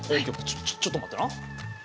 ちょちょっと待ってな。